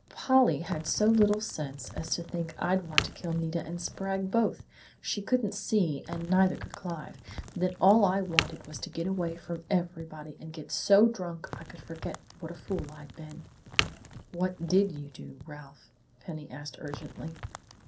Polly had so little sense as to think I'd want to kill Nita and Sprague both! She couldn't see, and neither could Clive, that all I wanted was to get away from everybody and get so drunk I could forget what a fool I'd been " "What did you do, Ralph?" Penny asked urgently.